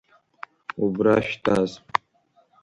Убра шәтәаз!